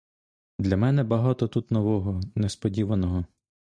Для мене багато тут нового, несподіваного.